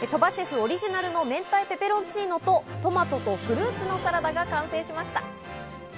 オリジナルの明太ペペロンチーノとトマトのフルーツサラダが完成しました。